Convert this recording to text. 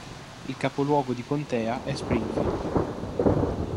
Il capoluogo di contea è Springfield